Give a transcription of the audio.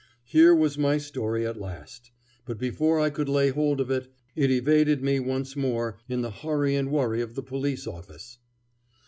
Here was my story at last; but before I could lay hold of it, it evaded me once more in the hurry and worry of the police office.